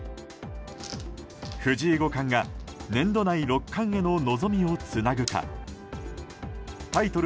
藤井五冠が年度内六冠への望みをつなぐかタイトル